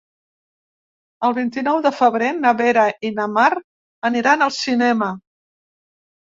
El vint-i-nou de febrer na Vera i na Mar aniran al cinema.